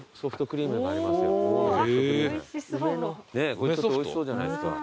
これちょっとおいしそうじゃないですか。